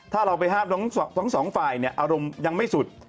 ถ้าเราไปห้ามทั้งสองฝ่ายเนี่ยอารมณ์ยังไม่สุด